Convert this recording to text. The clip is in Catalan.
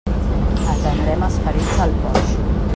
Atendrem els ferits al porxo.